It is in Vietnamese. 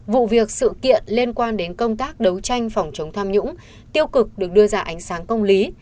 vụ việc sự kiện liên quan đến công tác đấu tranh phòng chống tham nhũng tiêu cực được đưa ra ánh sáng công lý